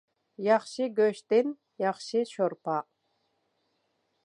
ياخشى گۆشتىن ياخشى شورپا.